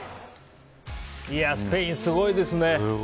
スペイン、すごいですね。